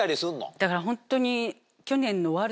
だからホントに。